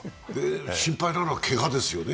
心配なのは、けがですよね。